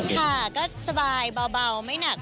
ค่ะก็สบายเบาไม่หนัก